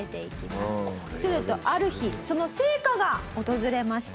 するとある日その成果が訪れました。